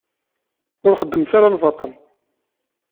Ur xeddmet ara lbaṭel.